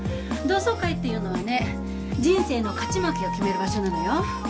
同窓会っていうのはね人生の勝ち負けを決める場所なのよ。